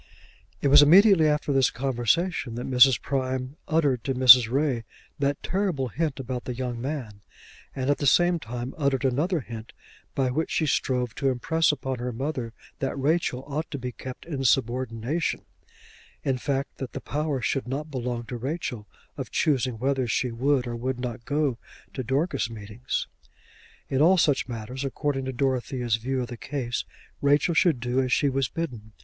It was immediately after this conversation that Mrs. Prime uttered to Mrs. Ray that terrible hint about the young man; and at the same time uttered another hint by which she strove to impress upon her mother that Rachel ought to be kept in subordination, in fact, that the power should not belong to Rachel of choosing whether she would or would not go to Dorcas meetings. In all such matters, according to Dorothea's view of the case, Rachel should do as she was bidden.